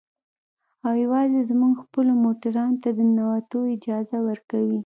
او يوازې زموږ خپلو موټرانو ته د ننوتو اجازه ورکوي.